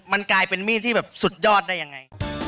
มันกลายเป็นมีดที่แบบสุดยอดได้ยังไง